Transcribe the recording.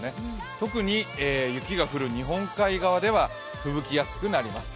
特に雪が降る日本海側ではふぶきやすくなります。